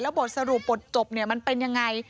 แล้วบทสรุปบทจบมันเป็นอย่างไร